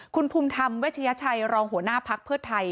คุณภูมิธรรมเวชยชัยรองหัวหน้าพักเพื่อไทย